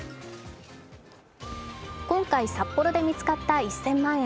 今回札幌で見つかった１０００万円。